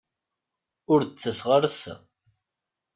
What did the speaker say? Ur d-ttaseɣ ara assa.